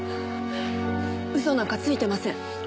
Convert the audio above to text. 嘘なんかついてません。